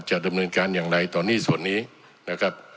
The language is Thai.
จะดำเนินการอย่างไรต่อหนี้ส่วนนี้นะครับ